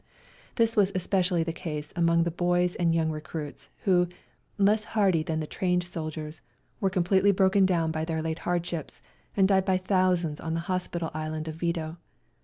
This was espe cially the case among the boys and young recruits, who, less hardy than the trained soldiers, were completely broken down by their late hardships and died by thousands on the hospital island of Vido.